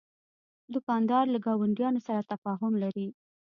دوکاندار له ګاونډیانو سره تفاهم لري.